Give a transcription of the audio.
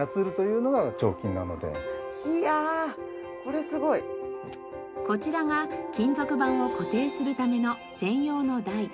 いやこれすごい！こちらが金属板を固定するための専用の台。